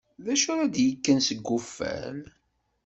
Acu ara d-ikken seg uffal?